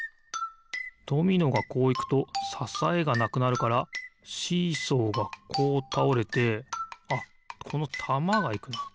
ドミノがこういくとささえがなくなるからシーソーがこうたおれてあっこのたまがいくな。